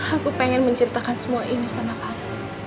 aku pengen menceritakan semua ini sama aku